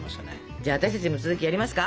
じゃあ私たちも続きやりますか！